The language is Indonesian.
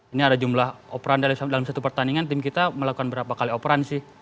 ini ada jumlah operan dalam satu pertandingan tim kita melakukan berapa kali operan sih